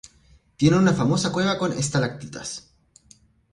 Tiene una famosa cueva con estalactitas.